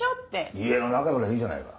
家の中ぐらいいいじゃないか。